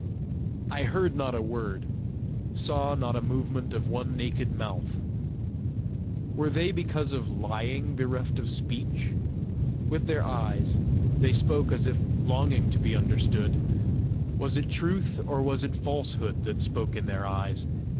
I heard not a word, saw not a movement of one naked mouth. Were they because of lying bereft of speech? With their eyes they spoke as if longing to be understood: was it truth or was it falsehood that spoke in their eyes?